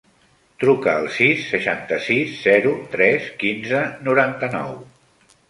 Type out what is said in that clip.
Truca al sis, seixanta-sis, zero, tres, quinze, noranta-nou.